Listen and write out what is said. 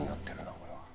これは。